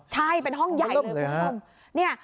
ใช่เป็นห้องใหญ่เลยคุณผู้ชม